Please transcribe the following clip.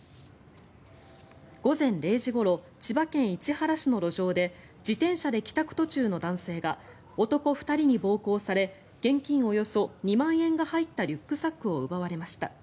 午前０時ごろ千葉県市原市の路上で自転車で帰宅途中の男性が男２人に暴行され現金およそ２万円が入ったリュックサックを奪われました。